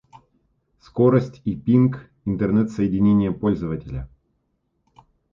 Скорость и пинг интернет-соединения пользователя